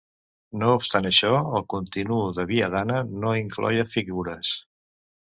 No obstant això, el continuo de Viadana no incloïa figures.